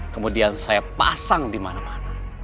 kemudian saya pasang di mana mana